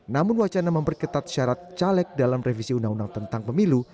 namun wacana memperketat syarat caleg dalam revisi undang undang tentang pemilu